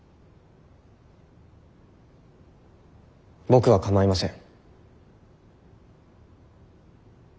僕は構いません。